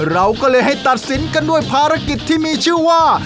เราก็เลยให้ตัดสินกันด้วยภารกิจที่มีชื่อว่า